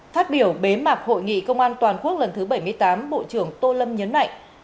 phát biểu bế mạc hội nghị công an toàn quốc lần thứ bảy mươi tám bộ trưởng tô lâm nhấn mạnh